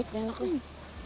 gila deh ini enaknya